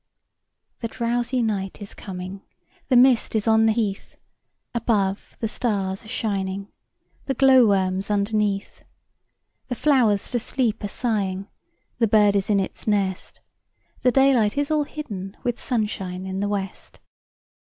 THE drowsy night is coming, The mist is on the heath; Above the stars are shining, The glow worms underneath. The flowers for sleep are sighing, The bird is in its nest, The daylight is all hidden With sunshine in the west.